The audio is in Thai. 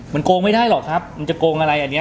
มันโกงไม่ได้หรอกครับมันจะโกงอะไรอันนี้